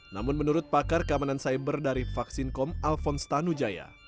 namun menurut pakar keamanan cyber dari vaksin com alphonse tanujaya